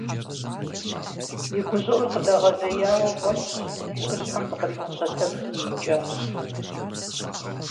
И гущӀыӀур къыдэгъэзеяуэ гъуэлъщ, жыгыщхьэм зыкъригъэщэтэхри, иукӀащ.